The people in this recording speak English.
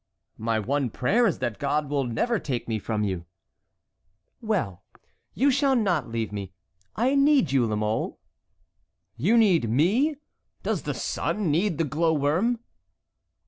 "My one prayer is that God will never take me from you." "Well, you shall not leave me. I need you, La Mole." "You need me? Does the sun need the glow worm?"